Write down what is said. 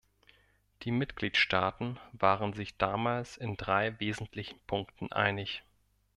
Die Mitgliedstaaten waren sich damals in drei wesentlichen Punkten einig.